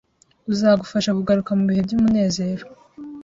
uzagufasha kugaruka mu bihe by’umunezero,